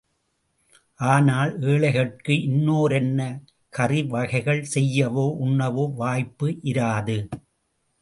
ஆனால் ஏழைகட்கு இன்னோரன்ன கறிவகைகள் செய்யவோ உண்ணவோ வாய்ப்பு இராது.